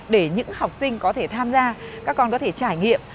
để những học sinh có thể tham gia các con có thể trải nghiệm